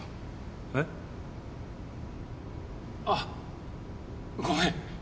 えっ？あっごめん。